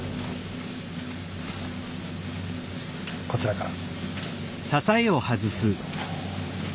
こちらから。